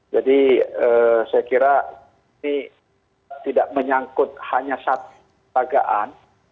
jadi saya kira ini tidak menyangkut hanya satu pagaan